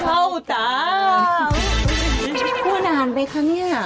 อ้าวพูดนานไปค่ะเนี่ย